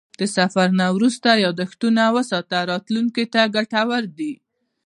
د سفر نه وروسته یادښتونه وساته، راتلونکي ته ګټور دي.